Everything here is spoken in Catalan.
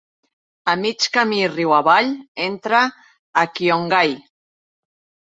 A mig camí riu avall, entra a Qionghai.